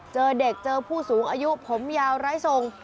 เจอเด็กเจอผู้สูงอายุผมยาวไร้ทรง